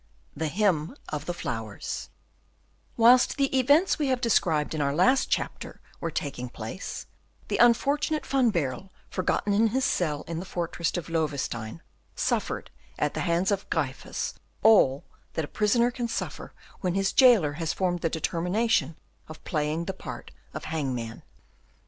The Hymn of the Flowers Whilst the events we have described in our last chapter were taking place, the unfortunate Van Baerle, forgotten in his cell in the fortress of Loewestein, suffered at the hands of Gryphus all that a prisoner can suffer when his jailer has formed the determination of playing the part of hangman.